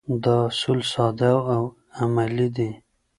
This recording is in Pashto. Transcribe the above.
دا اصول ساده او عملي دي.